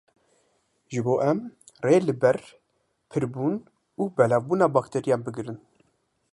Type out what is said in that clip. Ji bo em rê li ber pirbûn û belavbûna bakterîyan bigirin.